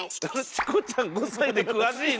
チコちゃん５歳で詳しいね！